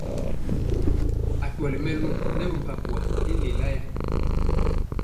Akyɔli mɛluŋ nɛ bimpakwa i lelaa.